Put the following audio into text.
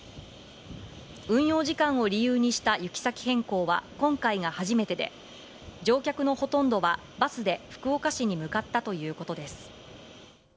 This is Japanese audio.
運用時間を理由にした行き先変更は今回が初めてで、乗客のほとんどはバスで福岡市に向かったということです。